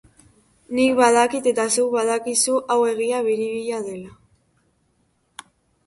Nik badakit eta zuk badakizu hau egia biribila dela.